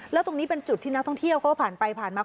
แล้วตรงนี้เป็นจุดที่นักท่องเที่ยวเขาผ่านไปผ่านมา